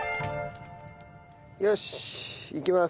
よしいきます。